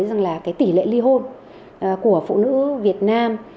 rằng là tỉ lệ ly hôn của phụ nữ việt nam